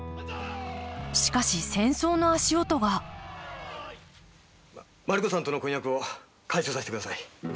しかし戦争の足音がマリ子さんとの婚約を解消させてください。